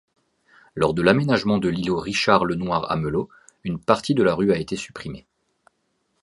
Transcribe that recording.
Lors de l'aménagement de l'îlot Richard-Lenoir-Amelot, une partie de la rue a été supprimée.